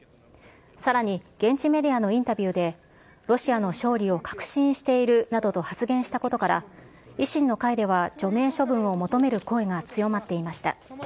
さらに、現地メディアのインタビューで、ロシアの勝利を確信しているなどと発言したことから、維新の会では除名処分を求める声が強まっていました。